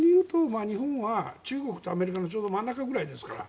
日本は中国とアメリカの真ん中ぐらいですから。